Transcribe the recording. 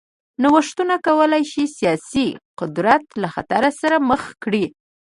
نوښتونه کولای شي سیاسي قدرت له خطر سره مخ کړي.